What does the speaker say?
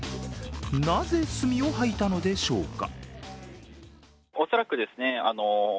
なぜ、墨を吐いたのでしょうか。